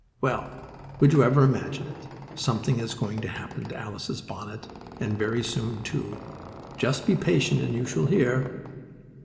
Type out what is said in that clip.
Well, would you ever imagine it? Something is going to happen to Alice's bonnet, and very soon, too. Just be patient and you shall hear.